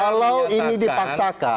kalau ini dipaksakan